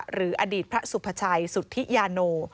หรืออดีตพระสุภาชัยสุธิยาโน